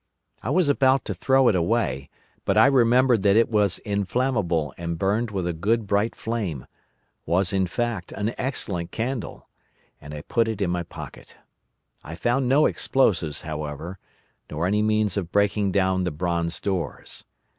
I was about to throw it away, but I remembered that it was inflammable and burnt with a good bright flame—was, in fact, an excellent candle—and I put it in my pocket. I found no explosives, however, nor any means of breaking down the bronze doors.